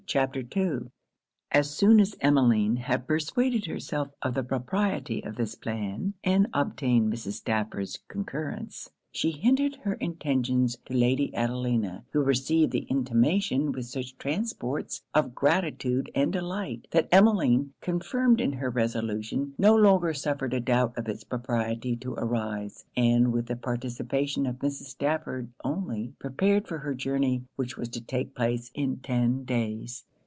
CHAPTER II As soon as Emmeline had persuaded herself of the propriety of this plan and obtained Mrs. Stafford's concurrence, she hinted her intentions to Lady Adelina; who received the intimation with such transports of gratitude and delight, that Emmeline, confirmed in her resolution, no longer suffered a doubt of it's propriety to arise; and, with the participation of Mrs. Stafford only, prepared for her journey, which was to take place in ten days.